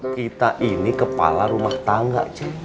kita ini kepala rumah tangga